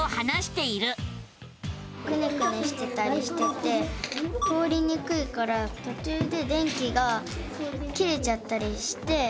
くねくねしてたりしてて通りにくいからとちゅうで電気が切れちゃったりして。